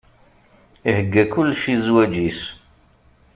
Ihegga kullec i zzwaǧ-is.